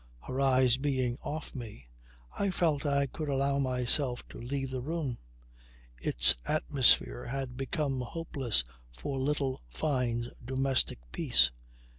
Her eyes being off me, I felt I could allow myself to leave the room. Its atmosphere had become hopeless for little Fyne's domestic peace.